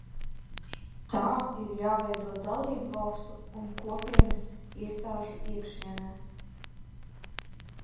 Tā ir jāveido dalībvalstu un Kopienas iestāžu iekšienē.